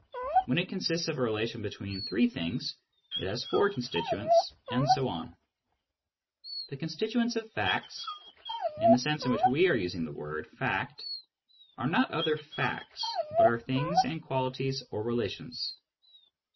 When it consists of a relation between three things, it has four constituents, and so on. The constituents of facts, in the sense in which we are using the word " fact," are not other facts, but are things and qualities or relations.